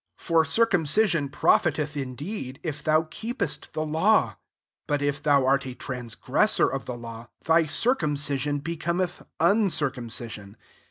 25 For circumcision profiteth indeed, if thou keepest the law: but if thou art a transgressor of the law, thy circumcision be cometh uncircumcision.